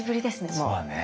そうだね。